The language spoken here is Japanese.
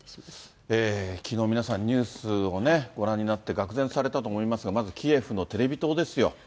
きのう、皆さん、ニュースをご覧になって、がく然とされたと思いますが、まずキエフのテレビ塔ですよ。